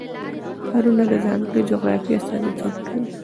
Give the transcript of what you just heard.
ښارونه د ځانګړې جغرافیې استازیتوب کوي.